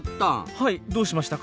はいどうしましたか？